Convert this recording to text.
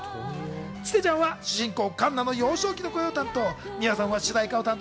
ちせちゃんは主人公・カンナの幼少期の声を担当。